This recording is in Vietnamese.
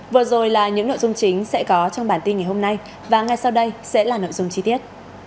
vừa rồi là những nội dung chính sẽ có trong bản tin ngày hôm nay và ngay sau đây sẽ là nội dung chi tiết